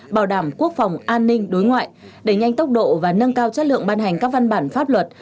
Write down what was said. bảo đảm quốc phòng an ninh đối ngoại đẩy nhanh tốc độ và nâng cao chất lượng ban hành các văn bản pháp luật